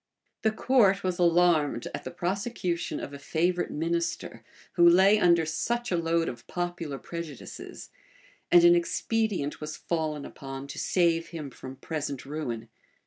The court was alarmed at the prosecution of a favorite minister, who lay under such a load of popular prejudices; and an expedient was fallen upon to save him from present ruin.